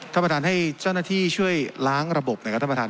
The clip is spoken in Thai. ท่านประธานให้เจ้าหน้าที่ช่วยล้างระบบนะครับท่านประธาน